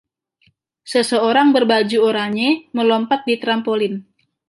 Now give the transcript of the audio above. Seseorang berbaju oranye melompat di trampolin